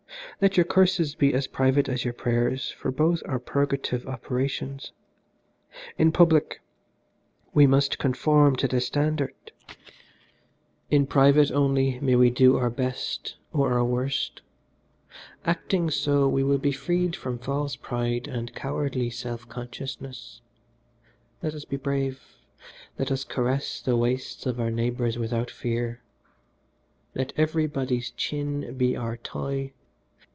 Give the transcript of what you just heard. Let your curses be as private as your prayers for both are purgative operations. In public we must conform to the standard, in private only may we do our best or our worst. Acting so, we will be freed from false pride and cowardly self consciousness. Let us be brave. Let us caress the waists of our neighbours without fear. Let everybody's chin be our toy.